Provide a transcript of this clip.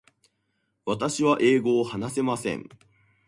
私は英語を話せません。